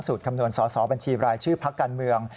สูตรคำนวณสอบัญชีรายชื่อพรรคการเมือง